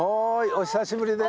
お久しぶりです。